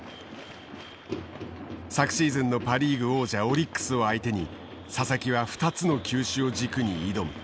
昨シーズンのパ・リーグ王者オリックスを相手に佐々木は２つの球種を軸に挑む。